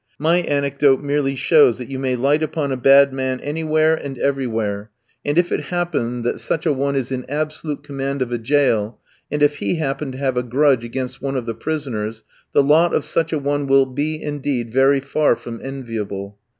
My anecdote merely shows that you may light upon a bad man anywhere and everywhere. And if it happen that such a one is in absolute command of a jail, and if he happen to have a grudge against one of the prisoners, the lot of such a one will be indeed very far from enviable.